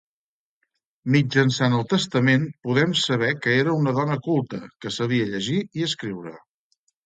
Mitjançant el testament, podem saber que era una dona culta, que sabia llegir i escriure.